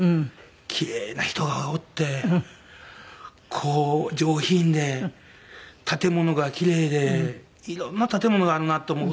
奇麗な人がおってこう上品で建物が奇麗で色んな建物があるなと。